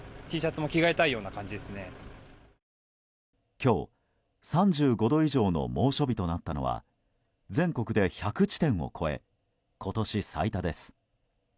今日、３５度以上の猛暑日となったのは全国で１００地点を超え今年最多です。